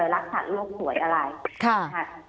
ลักษณะโลกหวยอะไรค่ะ